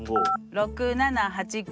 ６７８９。